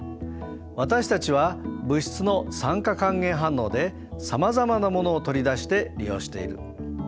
私たちは物質の酸化還元反応でさまざまなものを取り出して利用している。